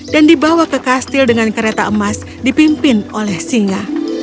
dan dibawa ke kastil dengan kereta emas dipimpin oleh singa